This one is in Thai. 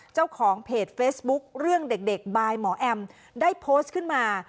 เจ้าของเพจเฟซบุ๊คเรื่องเด็กบายหมอแอมได้โพสต์ขึ้นมา